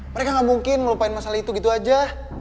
mereka gak mungkin melupain masalah itu gitu aja